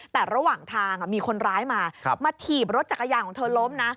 แต่ระหว่างทางมีคนร้ายมามาถีบรถจักรยานของเธอล้มนะ